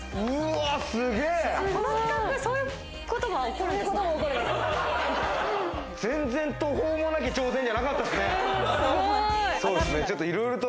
え、すごい！